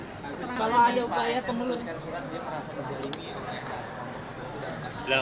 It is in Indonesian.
kalau ada upaya pengeluh